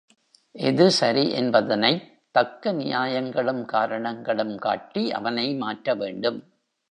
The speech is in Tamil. எது சரி என்பதனைத் தக்க நியாயங்களும், காரணங்களும் காட்டி அவனை மாற்ற வேண்டும்.